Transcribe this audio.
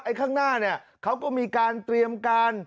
ข้างหน้าเนี่ยเขาก็มีการเตรียมการ